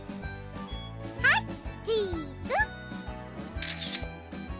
はいチーズ！